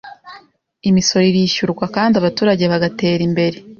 imisoro irishyurwa kandi abaturage bagatera imbere